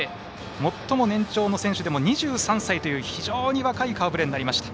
最も年長の選手でも２３歳という非常に若い顔ぶれになりました。